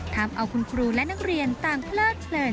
ทำเอาคุณครูและนักเรียนต่างเพลิดเพลิน